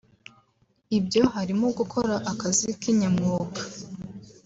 Ibyo harimo gukora akazi kinyamwuga